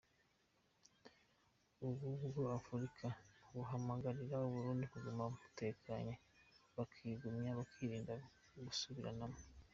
Ubumwe bwa Afrika buhamagararira Abarundi kuguma batekanye, bakigumya, bakirinda gusubiranamwo.